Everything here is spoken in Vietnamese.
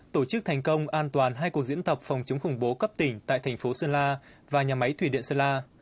tổ chức thành công an toàn hai cuộc diễn tập phòng chống khủng bố cấp tỉnh tại thành phố sơn la và nhà máy thủy điện sơn la